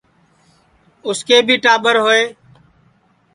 اُسکے بھی ٹاٻر ہوئے